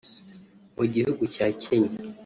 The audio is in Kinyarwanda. mu gihugu cya Kenya